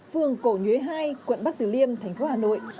phường cổ nhuế hai quận bắc tử liêm thành phố hà nội